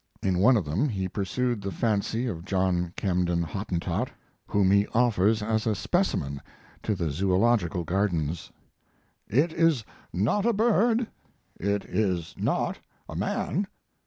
In one of them he pursued the fancy of John Camden Hottentot, whom he offers as a specimen to the Zoological Gardens. It is not a bird. It is not a man.